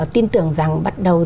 tin tưởng rằng bắt đầu